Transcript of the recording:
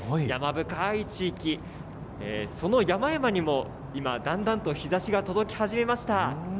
山深い地域、その山々にも今、だんだんと日ざしが届き始めました。